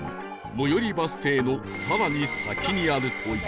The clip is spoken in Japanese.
最寄りバス停のさらに先にあるという